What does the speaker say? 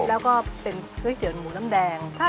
แล้วเป็นก๋วยเตี๋ยวหมูและมันเป็นข้อมูล